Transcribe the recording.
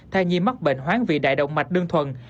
thai nhi mắc bệnh hoáng vị đại động mạch đơn thuần